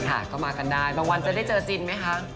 ค่ะก็มากันได้บางวันจะได้เจอจินไหมคะ